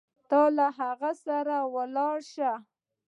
ته له هغه سره ولاړه شه.